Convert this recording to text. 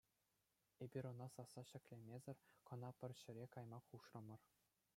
Эпир ӑна сасса ҫӗклемесӗр кӑна пӗр ҫӗре кайма хушрӑмӑр.